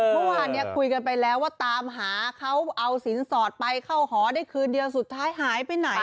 เมื่อวานเนี่ยคุยกันไปแล้วว่าตามหาเขาเอาสินสอดไปเข้าหอได้คืนเดียวสุดท้ายหายไปไหน